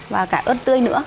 và cả ớt tươi nữa